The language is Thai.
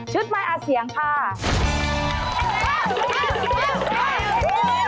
ชุดไม้อาเสียงภาค